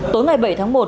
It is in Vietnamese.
tối ngày bảy tháng một